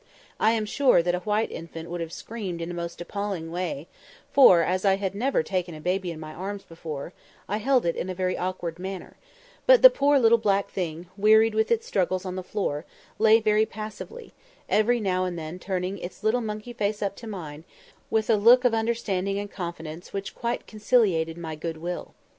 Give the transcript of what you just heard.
I am sure that a white infant would have screamed in a most appalling way, for, as I had never taken a baby in my arms before, I held it in a very awkward manner; but the poor little black thing, wearied with its struggles on the floor, lay very passively, every now and then turning its little monkey face up to mine, with a look of understanding and confidence which quite conciliated my good will.